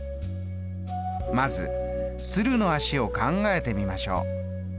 まず鶴の足を考えてみましょう。